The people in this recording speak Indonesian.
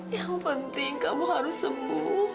yang penting kamu harus sepuh